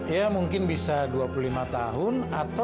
ya mungkin bisa dua puluh lima tahun